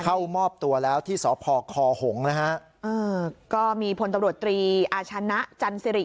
เข้ามอบตัวแล้วที่สพคหงนะฮะเออก็มีพลตำรวจตรีอาชนะจันสิริ